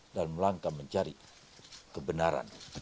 dalam rangka mencari kebenaran